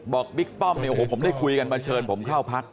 บิ๊กป้อมเนี่ยโอ้โหผมได้คุยกันมาเชิญผมเข้าพัก